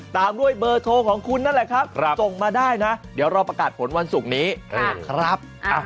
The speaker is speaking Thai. ตามด้วยเบอร์โทรของคุณนะแหละครับ